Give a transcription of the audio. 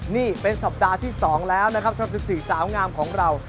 นี่เป็นสัปดาห์ที่๒แล้วนะครับสำหรับ๑๔สาวงามของเรา